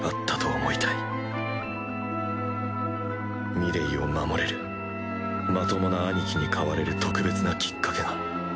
ミレイを守れるまともな兄貴に変われる特別なきっかけが。